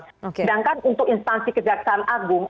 sedangkan untuk instansi kejaksaan agung